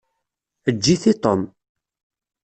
Eǧǧ-it i Tom.